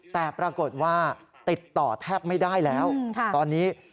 แต่ปรากฏว่าติดต่อแทบไม่ได้แล้วตอนนี้